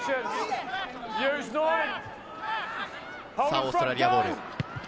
オーストラリアボール。